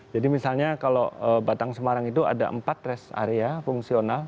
jadi misalnya kalau batang semarang itu ada empat rest area fungsional